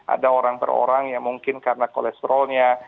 ada orang per orang yang mungkin karena kolesterolnya